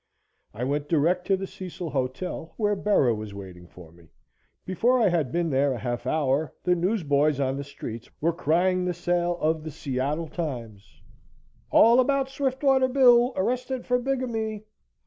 I went direct to the Cecil Hotel, where Bera was waiting for me. Before I had been there a half hour the newsboys on the streets were crying the sale of the Seattle Times: "All about Swiftwater Bill arrested for bigamy."